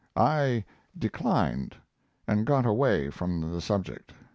I declined, and got away from the subject.